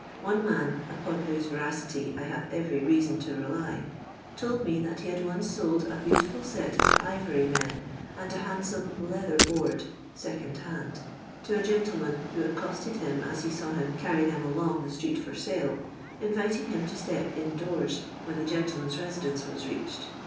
One man — upon whose Teracity I have erery reason to rely — told me that he once sold a beautiful set of ivory men and a handsome "leather board" (second band) to a gentleman who accosted him as he saw him carry them along the street for sale, inviting him to step in doors, when the gentleman's residence was reached.